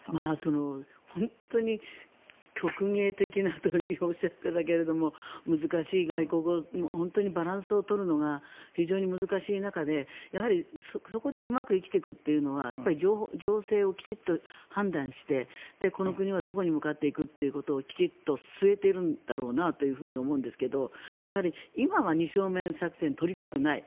本当に極限的なとおっしゃっていたけど難しい外交、バランスを取るのが非常に難しい中でやはり、そこでうまく生きていくというのは情勢をきちんと判断してこの国がどこへ向かっていくってことをきちんと据えているんだろうと思うんですがやはり、今は二正面作戦を取りたくない。